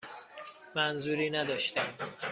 منظوری نداشتم.